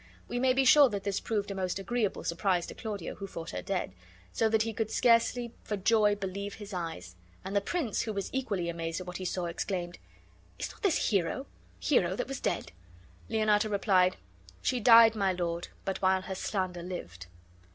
We may be sure that this proved a most agreeable surprise to Claudio, who thought her dead, so that be could scarcely for joy believe his eyes; and the prince, who was equally amazed at what he saw, exclaimed: "Is not this Hero, Hero that was dead?"' Leonato replied, "She died, my lord, but while her slander lived."